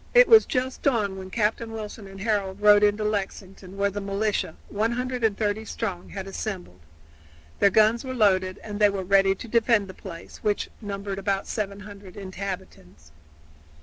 It was just dawn when Captain Wilson and Harold rode into Lexington, where the militia, 130 strong, had assembled. Their guns were loaded and they were ready to defend the place, which numbered about 700 inhabitants.